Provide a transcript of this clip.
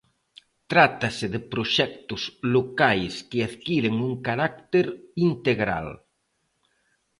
Trátase de proxectos locais que adquiren un carácter integral.